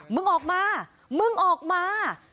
มึงออกมามึงออกมา